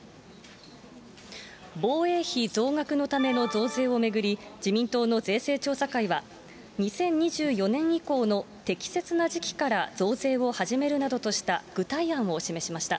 防衛費増額のための増税を巡り、自民党の税制調査会は、２０２４年以降の適切な時期から増税を始めるなどとした具体案を示しました。